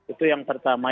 itu yang pertama